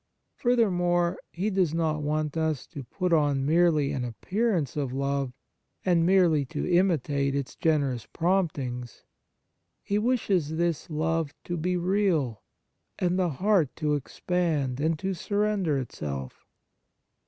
Furthermore, He does not want us to put on merely an appearance of love, and merely to imitate its generous promptings ; He wishes this love to be real, and the heart to ex pand and to surrender itself.